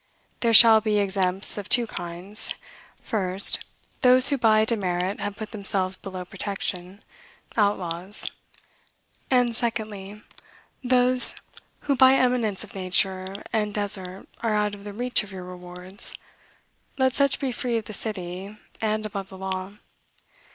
There shall be exempts of two kinds: first, those who by demerit have put themselves below protection, outlaws; and secondly, those who by eminence of nature and desert are out of the reach of your rewards; let such be free of the city, and above the law.